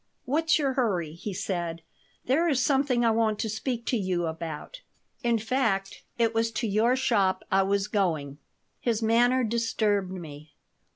What's your hurry?" he said. "There is something I want to speak to you about. In fact, it was to your shop I was going." His manner disturbed me.